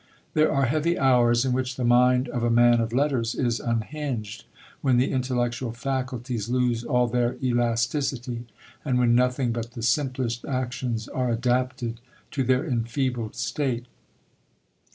There are heavy hours in which the mind of a man of letters is unhinged; when the intellectual faculties lose all their elasticity, and when nothing but the simplest actions are adapted to their enfeebled state.